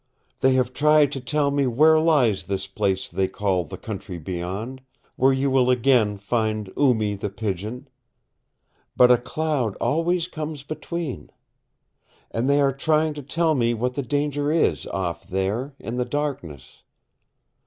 They have tried to tell me where lies this place they call the Country Beyond where you will again find Oo Mee the Pigeon. But a cloud always comes between. And they are trying to tell me what the danger is off there in the darkness."